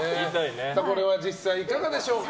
これは実際いかがでしょうか？